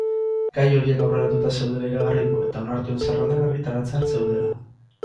Gai horiek aurreratuta zeudela iragarri du, eta onartuen zerrendak argitaratzear zeudela.